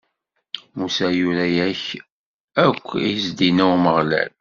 Musa yura ayen akk i s-d-inna Umeɣlal.